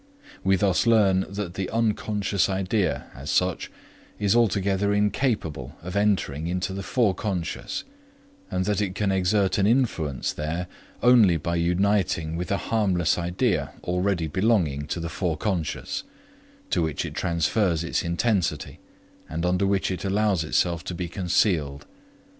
We thus learn that the unconscious idea, as such, is altogether incapable of entering into the foreconscious, and that it can exert an influence there only by uniting with a harmless idea already belonging to the foreconscious, to which it transfers its intensity and under which it allows itself to be concealed.